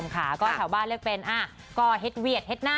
ก็เลือกเป็นก้อฮีทเวียดฮีทน่ะ